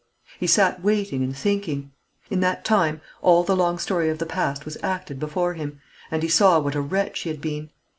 He sat waiting and thinking. In that time all the long story of the past was acted before him, and he saw what a wretch he had been.